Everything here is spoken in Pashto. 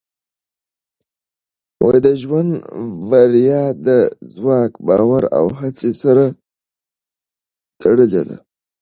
د ژوند بریا د ځواک، باور او هڅې سره تړلې ده.